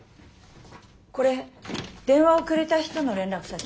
これ電話をくれた人の連絡先。